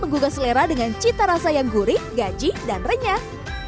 menggugah selera dengan cita rasa yang gurih gaji dan renyah